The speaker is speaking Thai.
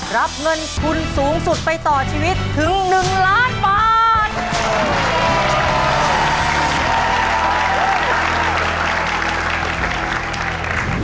รับเงินทุนสูงสุดไปต่อชีวิตถึง๑ล้านบาท